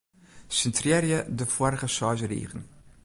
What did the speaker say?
Sintrearje de foarige seis rigen.